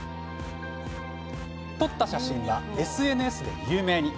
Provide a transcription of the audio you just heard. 撮った写真はＳＮＳで有名に。